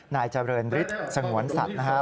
นายเจริญฤทธิ์สงวนสัตว์นะครับ